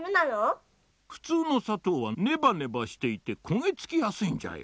ふつうのさとうはねばねばしていてこげつきやすいんじゃよ。